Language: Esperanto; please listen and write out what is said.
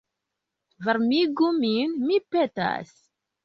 Varmigu min, mi petas.